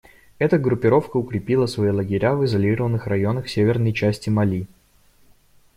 Эта группировка укрепила свои лагеря в изолированных районах северной части Мали.